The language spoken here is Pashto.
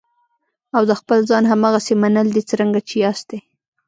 او د خپل ځان هماغسې منل دي څرنګه چې یاستئ.